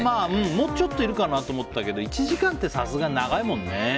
もうちょっといるかなと思ったけど１時間ってさすがに長いもんね。